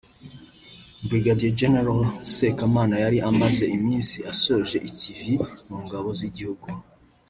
Brig Gen Sekamana yari amaze iminsi asoje ikivi mu ngabo z’igihugu